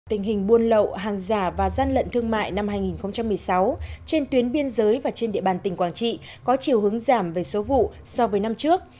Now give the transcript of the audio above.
tình hình buôn lậu hàng giả và gian lận thương mại năm hai nghìn một mươi sáu trên tuyến biên giới và trên địa bàn tỉnh quảng trị có chiều hướng giảm về số vụ so với năm trước